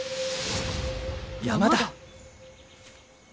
山だ。